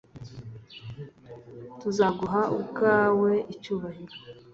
tuzaguha ubwawe icyubahiro